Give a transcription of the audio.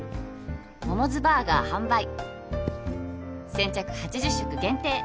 「モモズバーガー販売」「先着８０食限定！！」